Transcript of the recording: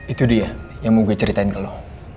itu dia yang mau gue ceritain ke lo